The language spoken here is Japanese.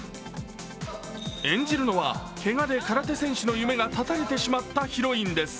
演じるのは、けがで空手選手の夢が断たれてしまったヒロインです。